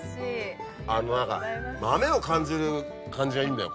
あの何か豆を感じる感じがいいんだよ